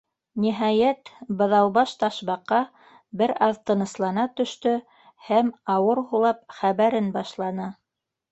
Ниһайәт, Быҙаубаш Ташбаҡа бер аҙ тыныслана төштө һәм, ауыр һулап, хәбәрен башланы.